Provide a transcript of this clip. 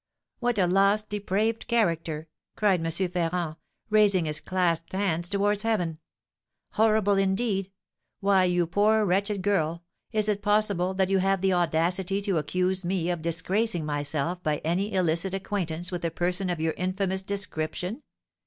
"'What a lost, depraved character!' cried M. Ferrand, raising his clasped hands towards heaven. 'Horrible, indeed! Why, you poor, wretched girl, is it possible that you have the audacity to accuse me of disgracing myself by any illicit acquaintance with a person of your infamous description?